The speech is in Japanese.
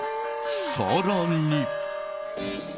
更に。